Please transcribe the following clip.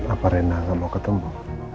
apa rena gak mau ketemu